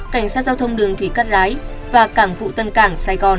cảnh sát giao thông đường thủy cắt lái và cảng vụ tân cảng sài gòn